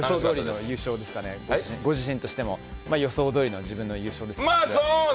ご自身としても予想どおりの優勝ですかね。